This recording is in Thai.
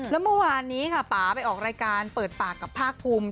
แล้วเมื่อวานนี้ค่ะป่าไปออกรายการเปิดปากกับภาคภูมิ